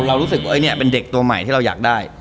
เรารู้สึกว่าเนี่ยเป็นเด็กตัวใหม่ที่เราอยากได้